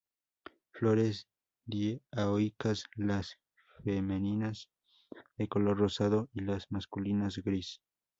Flores dioicas, las femeninas de color rosado y las masculinas gris.